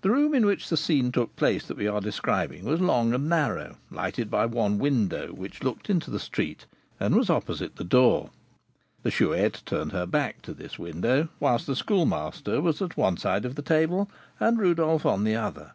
The room in which the scene took place that we are describing was long and narrow, lighted by one window, which looked into the street, and was opposite to the door. The Chouette turned her back to this window, whilst the Schoolmaster was at one side of the table, and Rodolph on the other.